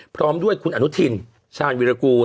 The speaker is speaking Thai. พร้อมด้วยคุณอนุทินชาญวิรากูล